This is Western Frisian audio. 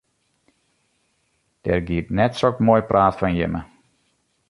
Der giet net sok moai praat fan jimme.